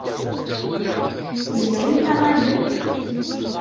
Zemrent ad aɣ-allent?